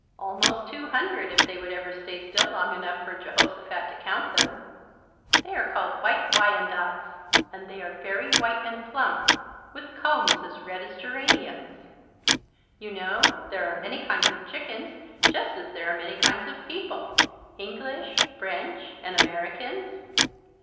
Almost two hundred, if they would ever stay still long enough for Jehosophat to count them. They are called White Wyandottes and they are very white and plump, with combs as red as geraniums. You know there are many kinds of chickens just as there are many kinds of people, English, French, and Americans.